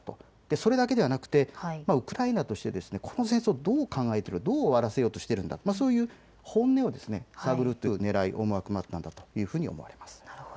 それだけではなくウクライナとしてこの戦争をどう考えているどう終わらせようとしているんだという本音を探るというねらい、思惑もあったんだと見られます。